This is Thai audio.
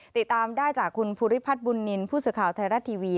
ติดตามได้จากคุณภูริพัฒน์บุญนินทร์ผู้สื่อข่าวไทยรัฐทีวี